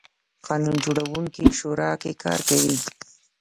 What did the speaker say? قانون جوړوونکې شورا کې کار کوي.